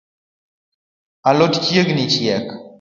A lot chiegni chiek